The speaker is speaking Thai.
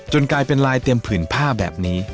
กลายเป็นลายเตรียมผื่นผ้าแบบนี้